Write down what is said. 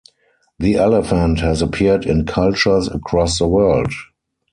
The elephant has appeared in cultures across the world.